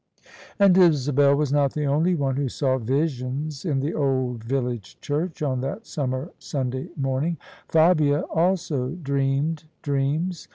And Isabel was not the only one who saw visions in the old village church on that summer Sunday morning: Fabia also dreamed dreams.